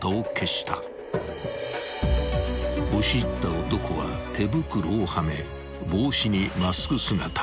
［押し入った男は手袋をはめ帽子にマスク姿］